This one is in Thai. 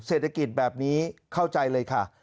เศรษฐกิจแบบนี้เข้าใจเลยค่ะ